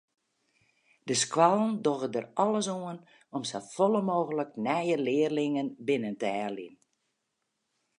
De skoallen dogge der alles oan om safolle mooglik nije learlingen binnen te heljen.